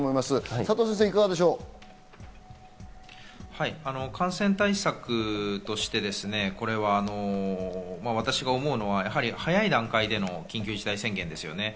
佐藤先生、いかがでし感染対策として、私が思うのは早い段階での緊急事態宣言ですよね。